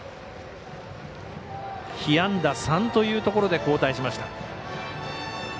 被安打３というところで交代しました。